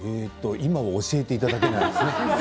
今教えていただけないんですね？